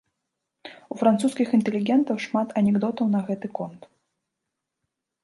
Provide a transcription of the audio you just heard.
У французскіх інтэлігентаў шмат анекдотаў на гэты конт.